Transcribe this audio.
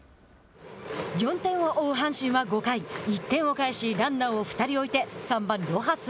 ４点を追う阪神は５回１点を返しランナーを２人置いて３番ロハス。